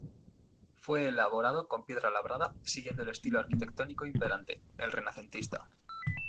Fue elaborado con piedra labrada siguiendo el estilo arquitectónico imperante, el renacentista.